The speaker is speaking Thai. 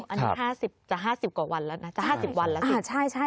อันนี้จะ๕๐กว่าวันแล้วนะ